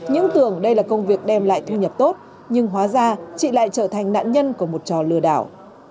những tưởng đây là công việc đem lại thu nhập tốt nhưng hóa ra chị lại trở thành nạn nhân của một trò lừa đảo